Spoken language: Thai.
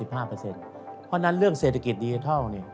เพราะฉะนั้นเรื่องเศรษฐกิจดิจิทัล